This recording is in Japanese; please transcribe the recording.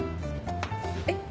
えっ？